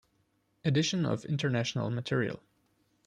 Edition of International Material.